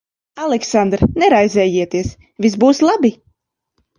Aleksandr, neraizējieties. Viss būs labi.